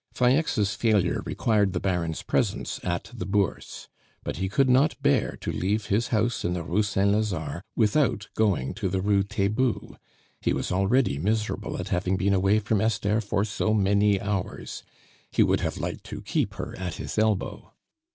Falleix's failure required the Baron's presence at the Bourse; but he could not bear to leave his house in the Rue Saint Lazare without going to the Rue Taitbout; he was already miserable at having been away from Esther for so many hours. He would have liked to keep her at his elbow.